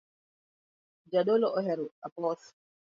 Jadolo ohero apoth